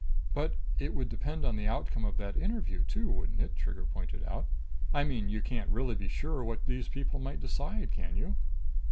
"But it would depend on the outcome of that interview too, wouldn't it?" Trigger pointed out. "I mean you can't really be sure what those people might decide, can you?"